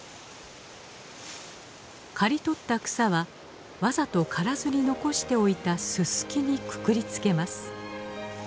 刈り取った草はわざと刈らずに残しておいたススキにくくりつけます。